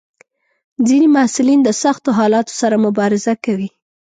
ځینې محصلین د سختو حالاتو سره مبارزه کوي.